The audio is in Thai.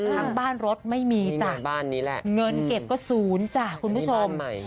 ทั้งบ้านรถไม่มีจ่ะเงินเก็บก็ศูนย์จ่ะคุณผู้ชม